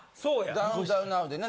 『ダウンタウンなう』でね